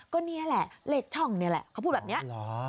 ก็นี่แหละเลขช่องนี่แหละเขาพูดแบบนี้